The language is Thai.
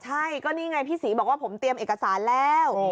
ใช่ก็นี่ไงพี่ศรีบอกว่าผมเตรียมเอกสารแล้ว